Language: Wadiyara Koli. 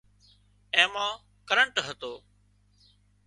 اين مان ڪرنٽ هتو